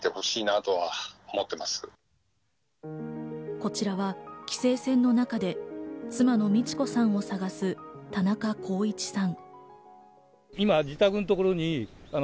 こちらは規制線の中で妻の路子さんを捜す田中公一さん。